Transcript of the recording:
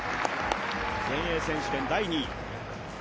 全英選手権第２位。